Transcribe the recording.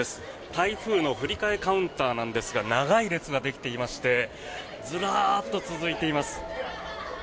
台風の振り替えカウンターなんですが長い列ができていましてずらっと続いています。